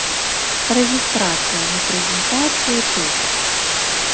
Рэгістрацыя на прэзентацыю тут.